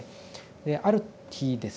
である日ですね